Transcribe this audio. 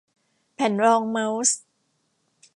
แผ่นรองเม้าส์